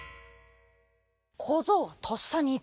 こぞうはとっさにいった。